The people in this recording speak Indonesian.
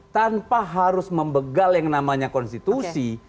tanpa harus membegal yang namanya konstitusi